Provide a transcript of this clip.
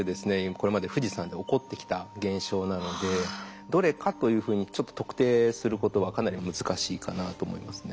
これまで富士山で起こってきた現象なのでどれかというふうに特定することはかなり難しいかなと思いますね。